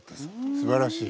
すばらしい。